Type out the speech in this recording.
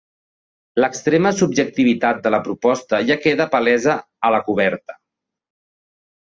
L'extrema subjectivitat de la proposta ja queda palesa a la coberta.